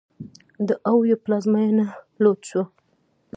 د اویو پلازمېنه لوټ شوه.